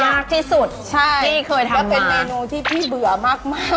มากที่สุดใช่พี่เคยทานแล้วเป็นเมนูที่พี่เบื่อมากมาก